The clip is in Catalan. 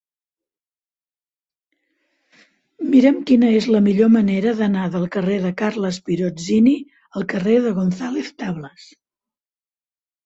Mira'm quina és la millor manera d'anar del carrer de Carles Pirozzini al carrer de González Tablas.